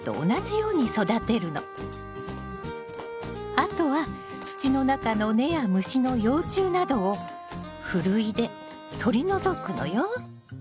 あとは土の中の根や虫の幼虫などをふるいでとりのぞくのよ。